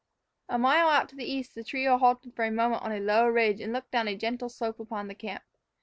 A mile out to the east the trio halted for a moment on a low ridge and looked down a gentle slope upon the camp.